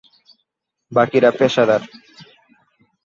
বাকিরা পেশাদার।